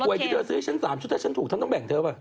ไอ้ที่เดี๋ยวซื้อให้ฉัน๓ชุดถ้าฉันถูกท่านต้องแบ่งเธอป่ะ